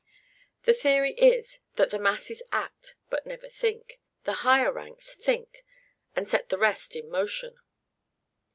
The theory is, "that the masses act, but never think; the higher ranks think, and set the rest in motion."